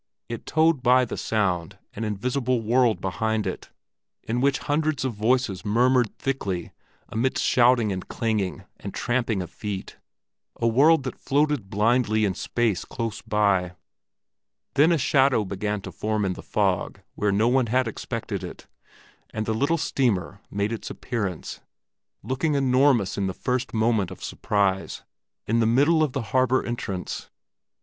It towed by the sound an invisible world behind it, in which hundreds of voices murmured thickly amidst shouting and clanging, and tramping of feet—a world that floated blindly in space close by. Then a shadow began to form in the fog where no one had expected it, and the little steamer made its appearance—looking enormous in the first moment of surprise—in the middle of the harbor entrance.